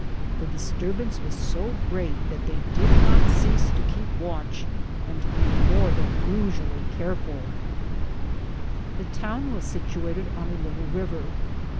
The disturbance was so great that they did not cease to keep watch and to be more than usually carefuL The town was situated on a little river.